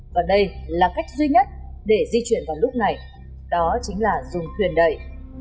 và đây là cách duy nhất để di chuyển vào lúc này đó chính là dùng thuyền đẩy